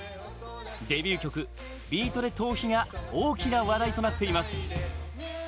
デビュー曲「ビートＤＥトーヒ」が大きな話題となっています。